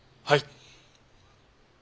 はい。